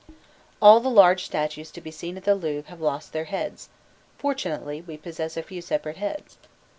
All the large statues to be seen at the Louvre have lost their heads; fortunately we possess a few separate heads.